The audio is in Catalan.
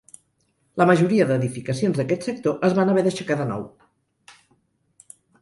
La majoria d'edificacions d'aquest sector es van haver d'aixecar de nou.